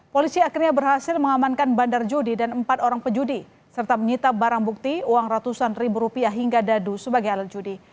polisi akhirnya berhasil mengamankan bandar judi dan empat orang pejudi serta menyita barang bukti uang ratusan ribu rupiah hingga dadu sebagai alat judi